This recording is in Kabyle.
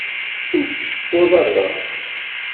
Ur tceffuḍ ara.